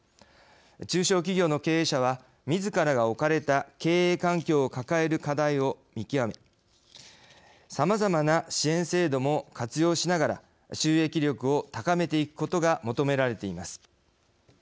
中小企業の経営者はみずからが置かれた経営環境を抱える課題を見極めさまざまな支援制度も活用しながら収益力を高めていくことが求められています。